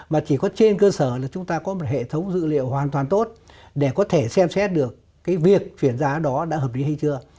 mà chỉ có trên cơ sở là chúng ta có một hệ thống dữ liệu hoàn toàn tốt để có thể xem xét được cái việc chuyển giá đó đã hợp lý hay chưa